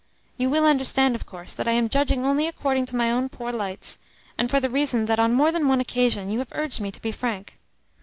You will understand, of course, that I am judging only according to my own poor lights, and for the reason that on more than one occasion you have urged me to be frank.